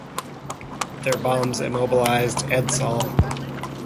Their bombs immobilised "Edsall".